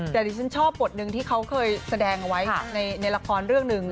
แต่ดิฉันชอบบทหนึ่งที่เขาเคยแสดงไว้ในละครเรื่องหนึ่ง